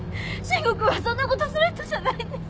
伸吾君はそんなことする人じゃないんです！